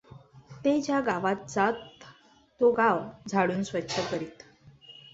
ते ज्या गावात जात तो गाव झाडून स्वच्छ करीत.